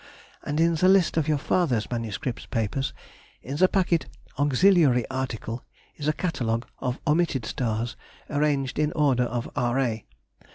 And in the list of your father's MS. papers, in the packet "Auxiliary Article," is a Catalogue of omitted stars arranged in order of R. A.